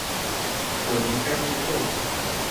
我離開之後